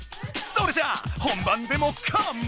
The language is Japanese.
それじゃ本番でもかませ！